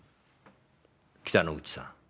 北之口さん。